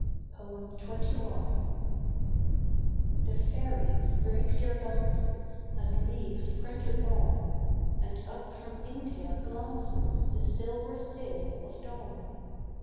XXI. The fairies break their dances And leave the printed lawn, And up from India glances The silver sail of dawn.